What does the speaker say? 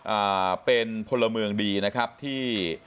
อ่าเป็นพลเมืองดีนะครับที่